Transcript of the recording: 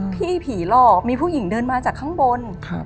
พี่ผีหลอกมีผู้หญิงเดินมาจากข้างบน